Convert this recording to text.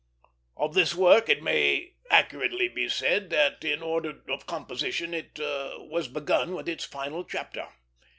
Of this work it may accurately be said that in order of composition it was begun with its final chapter.